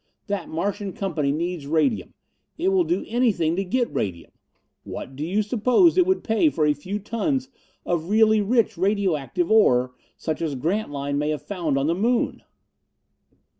That Martian Company needs radium. It will do anything to get radium. What do you suppose it would pay for a few tons of really rich radio active ore such as Grantline may have found on the Moon?"